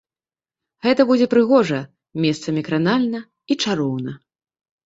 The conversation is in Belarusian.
Гэта будзе прыгожа, месцамі кранальна і чароўна.